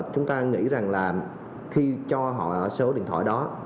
chúng ta nghĩ rằng là khi cho họ ở số điện thoại đó